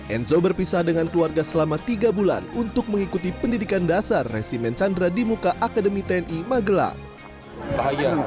enzo berpisah dengan keluarga selama tiga bulan untuk mengikuti pendidikan dasar resimen chandra di muka akademi tni magelang